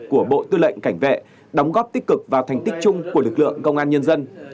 của bộ tư lệnh cảnh vệ đóng góp tích cực vào thành tích chung của lực lượng công an nhân dân